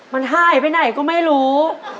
มันหายไปไหนก็ไม่รู้